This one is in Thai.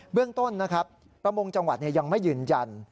เรื่องต้นนะครับประมงจังหวัดยังไม่ยืนยัน